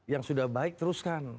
yang sudah baik teruskan